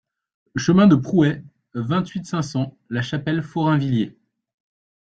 Chemin de Prouais, vingt-huit, cinq cents La Chapelle-Forainvilliers